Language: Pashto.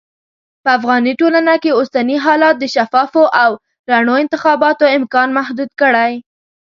په افغاني ټولنه کې اوسني حالات د شفافو او رڼو انتخاباتو امکان محدود کړی.